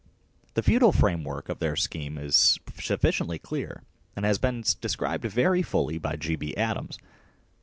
The feudal framework of their scheme is sufficiently clear and has been described very fully by G. B. Adams.